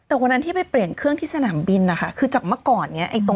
แต่วันนั้นที่ไปเปลี่ยนเครื่องที่สนามบินนะคะคือจากเมื่อก่อนเนี้ย